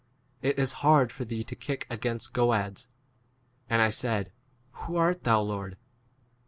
[it is] hard for thee to kick against goads. 15 And I said, who art thou, Lord